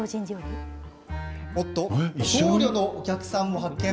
おっと、僧侶のお客さんも発見！